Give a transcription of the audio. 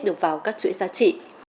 được vào các chuỗi giá trị